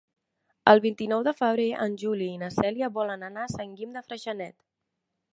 El vint-i-nou de febrer en Juli i na Cèlia volen anar a Sant Guim de Freixenet.